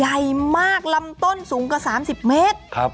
ใหญ่มากลำต้นสูงกว่าสามสิบเมตรครับ